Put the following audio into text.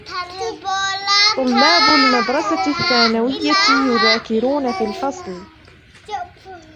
طلاب المدرسة الثانوية يذاكرون في الفصل.